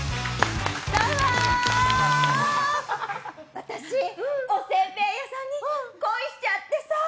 私、おせんべい屋さんに恋しちゃってさ。